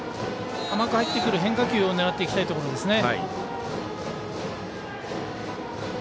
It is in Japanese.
甘く入ってくる変化球を狙っていきたいところですね。